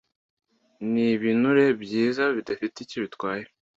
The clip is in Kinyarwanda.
ni ibinure byiza bidafite icyo bitwaye